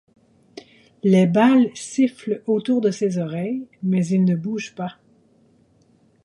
Les balles sifflent autour de ses oreilles, mais il ne bouge pas.